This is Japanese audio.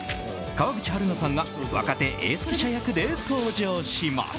川口春奈さんが若手エース記者役で登場します。